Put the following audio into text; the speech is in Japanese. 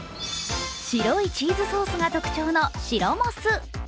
白いチーズソースが特徴の白モス。